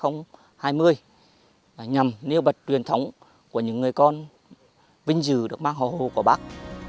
nhằm nêu bật truyền thống của những người con vinh dự được mang hò hồ của bác